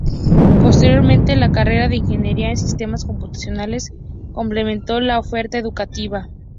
Posteriormente, la carrera de Ingeniería en Sistemas Computacionales complementó la oferta educativa.